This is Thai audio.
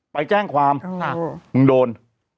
ไปแจ้งความมึงโดน